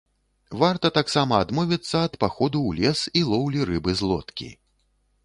Варта таксама адмовіцца ад паходу ў лес і лоўлі рыбы з лодкі.